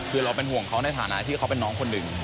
คือเราเป็นห่วงเขาในฐานะที่เขาเป็นน้องคนหนึ่ง